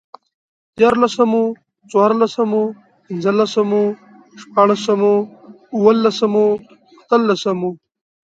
ديارلسمو، څوارلسمو، پنځلسمو، شپاړسمو، اوولسمو، اتلسمو